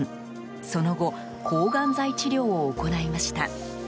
その後抗がん剤治療を行いました。